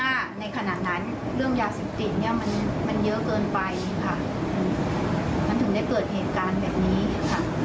เรื่องยาสิทธิ์มันเยอะเกินไปมันถึงได้เกิดเหตุการณ์แบบนี้